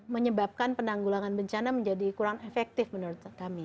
menyebabkan penanggulangan bencana menjadi kurang efektif menurut kami